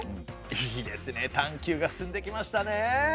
いいですね探究が進んできましたねえ。